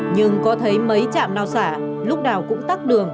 nhưng có thấy mấy trạm nào xả lúc nào cũng tắt đường